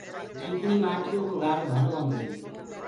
چيڪڻي مآٽيو ڪو گآرو ڀلو هوندو هي۔